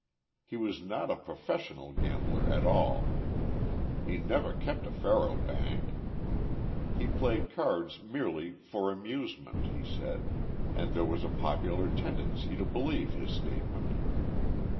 He was not a professional gambler at all. He never kept a faro bank. He played cards merely for amusement, he said, and there was a popular tendency to believe his statement.